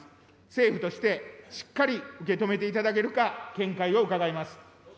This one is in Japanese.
政府としてしっかり受け止めていただけるか、見解を伺います。